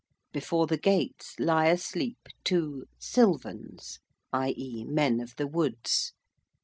Before the gates lie asleep two 'Sylvans' i.e. men of the woods.